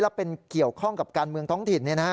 และเป็นเกี่ยวข้องกับการเมืองท้องถิ่น